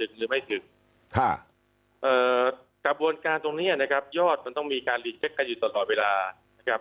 ถึงหรือไม่ตึกกระบวนการตรงนี้นะครับยอดมันต้องมีการรีเช็คกันอยู่ตลอดเวลานะครับ